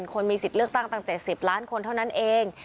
คนมีสิทธิ์เลือกตั้งตั้ง๗๐ล้านคนเท่านั้นเอง